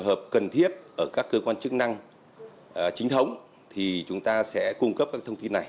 trường hợp cần thiết ở các cơ quan chức năng chính thống thì chúng ta sẽ cung cấp các thông tin này